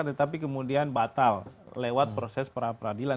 tetapi kemudian batal lewat proses peradilan